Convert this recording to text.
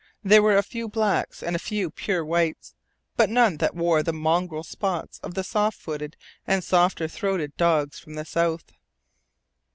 There were a few blacks, and a few pure whites, but none that wore the mongrel spots of the soft footed and softer throated dogs from the south.